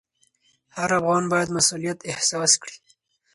هر افغان باید مسوولیت احساس کړي.